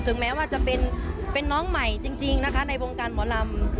แม้ว่าจะเป็นน้องใหม่จริงนะคะในวงการหมอลำ